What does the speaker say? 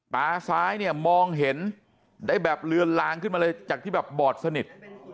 ตาซ้ายเนี่ยมองเห็นได้แบบเลือนลางขึ้นมาเลยจากที่แบบบอดสนิท